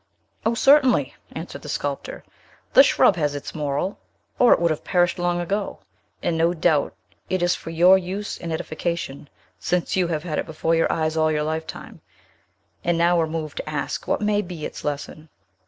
"O, certainly!" answered the sculptor; "the shrub has its moral, or it would have perished long ago. And, no doubt, it is for your use and edification, since you have had it before your eyes all your lifetime, and now are moved to ask what may be its lesson."